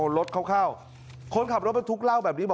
มีรถเข้าเข้าคนขับรถประทุกเราแบบนี้